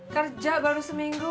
kerja baru seminggu